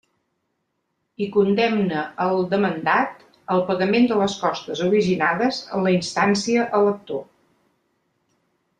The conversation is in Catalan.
I condemne el demandat al pagament de les costes originades en la instància a l'actor.